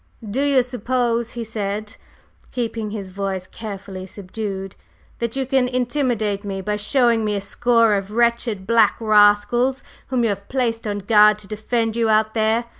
"Do you suppose," he said, keeping his voice carefully subdued, "that you can intimidate me by showing me a score of wretched black rascals whom you have placed on guard to defend you out there?